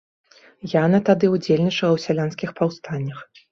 Яна тады ўдзельнічала ў сялянскіх паўстаннях.